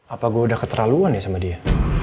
apa gue udah keterlaluan ya sama dia